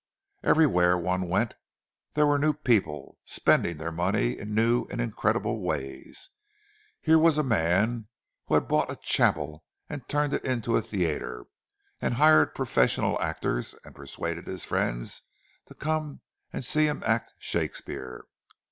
Everywhere one went there were new people, spending their money in new and incredible ways. Here was a man who had bought a chapel and turned it into a theatre, and hired professional actors, and persuaded his friends to come and see him act Shakespeare.